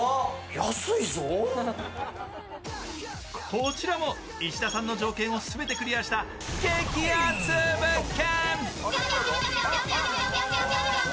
こちらも石田さんの条件を全てクリアした激熱物件。